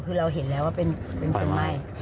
คือส่วนน้องค่ะ